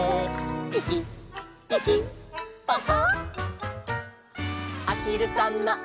「ピキピキパカ！」